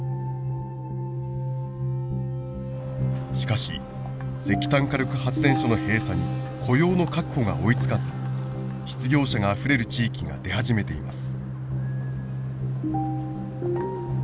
しかし石炭火力発電所の閉鎖に雇用の確保が追いつかず失業者があふれる地域が出始めています。